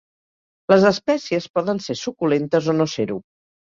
Les espècies poden ser suculentes o no ser-ho.